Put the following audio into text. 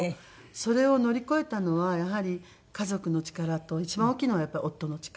それを乗り越えたのはやはり家族の力と一番大きいのはやっぱり夫の力。